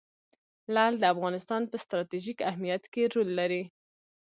لعل د افغانستان په ستراتیژیک اهمیت کې رول لري.